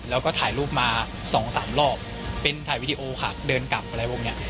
แล้วก็ถ่ายรูปมาสองสามรอบเป็นถ่ายวีดีโอค่ะเดินกลับอะไรพวกนี้